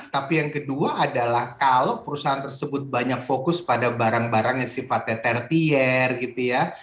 tapi yang kedua adalah kalau perusahaan tersebut banyak fokus pada barang barang yang sifatnya tertier gitu ya